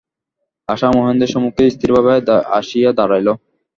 আশা মহেন্দ্রের সম্মুখে স্থিরভাবে আসিয়া দাঁড়াইল।